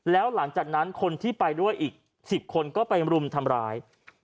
แล้วหลังจากนั้นคนที่ไปด้วยอีก๑๐คนก็ไปรุมทำร้าย